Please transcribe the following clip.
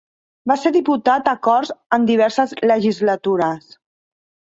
Va ser Diputat a Corts en diverses legislatures.